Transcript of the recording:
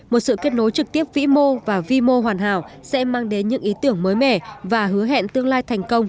một sự kết nối trực tiếp vĩ mô và vi mô hoàn hảo sẽ mang đến những ý tưởng mới mẻ và hứa hẹn tương lai thành công